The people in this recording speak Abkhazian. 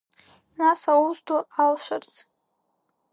Нас аус ду алшарц…